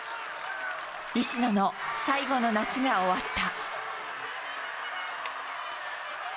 石野の最後の夏が終わった。